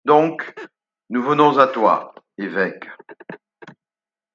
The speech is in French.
Donc nous venons à toi, évêque.